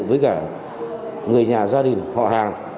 với cả người nhà gia đình họ hàng